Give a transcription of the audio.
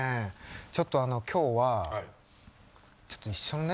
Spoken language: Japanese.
ちょっと今日はちょっと一緒にね